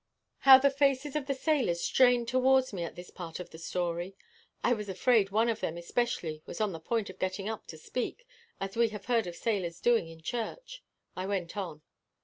How the faces of the sailors strained towards me at this part of the story! I was afraid one of them especially was on the point of getting up to speak, as we have heard of sailors doing in church. I went on.